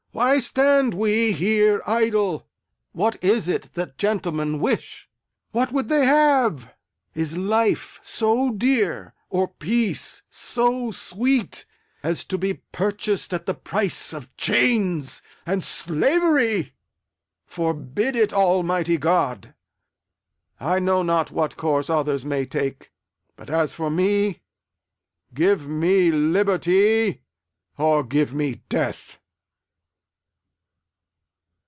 Why stand we here idle? What is it that gentlemen wish? What would they have? Is life so dear, or peace so sweet, as to be purchased at the price of chains and slavery? Forbid it, Almighty God! I know not what course others may take; but as for me, give me liberty or give me death!